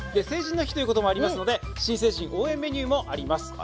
成人の日ということもありますので新成人応援メニューもあります。